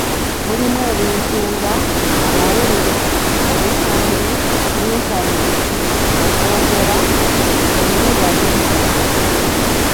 Mulimu ebintu nga; amawulire, obutambi, yintaneeti, okwogera, ennyimba n'ebirala.